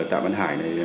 rất nhiều em ngoài xã hội